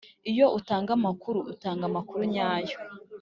Iyo utanga amakuru utanga amakuru nyayo